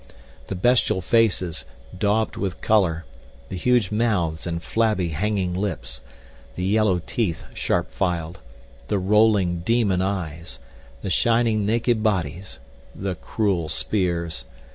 The bestial faces, daubed with color—the huge mouths and flabby hanging lips—the yellow teeth, sharp filed—the rolling, demon eyes—the shining naked bodies—the cruel spears.